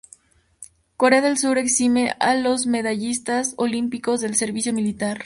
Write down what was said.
Corea del Sur exime a los medallistas olímpicos del servicio militar.